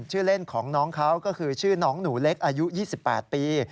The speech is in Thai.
ชื่อเล่นของน้องเขาก็คือชื่อน้องหนูเล็กอายุ๒๘ปี